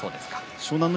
湘南乃